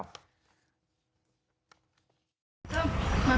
ที่นี่มีปัญหา